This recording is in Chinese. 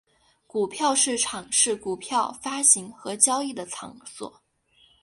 股票市场是股票发行和交易的场所。